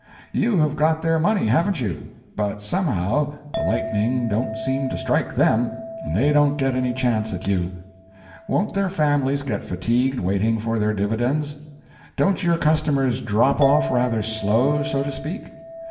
You have got their money, haven't you? but somehow the lightning don't seem to strike them, and they don't get any chance at you. Won't their families get fatigued waiting for their dividends? Don't your customers drop off rather slow, so to speak?